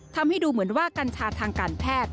ทำให้ดูเหมือนว่ากัญชาทางการแพทย์